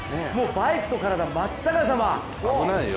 バイクと体、真っ逆さま。